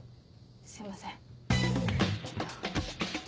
すいません。